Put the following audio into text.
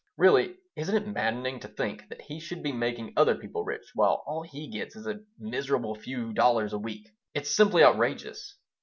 Really, isn't it maddening to think that he should be making other people rich, while all he gets is a miserable few dollars a week? It's simply outrageous."